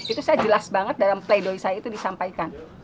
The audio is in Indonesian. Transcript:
itu saya jelas banget dalam pleidoy saya itu disampaikan